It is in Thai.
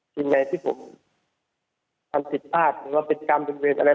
ที่แม้ที่ผมทำผิดพลาดหรือเป็นการบริเวณอะไร